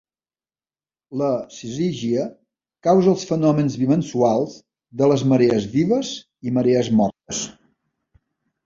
La sizígia causa els fenòmens bimensuals de les marees vives i marees mortes.